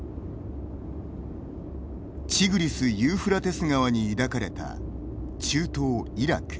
チグリス・ユーフラテス川に抱かれた中東・イラク。